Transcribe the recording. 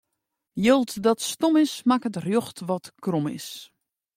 Jild dat stom is, makket rjocht wat krom is.